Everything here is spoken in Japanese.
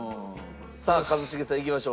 さあ一茂さんいきましょう。